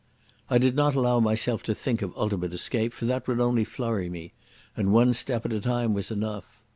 I did not allow myself to think of ultimate escape, for that would only flurry me, and one step at a time was enough.